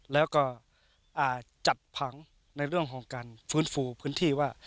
แล้วก็จัดผังในเรื่องของการฟื้นฟูพื้นที่ว่า